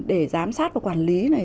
để giám sát và quản lý này